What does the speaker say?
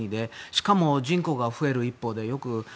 しかも人口が増える一方で。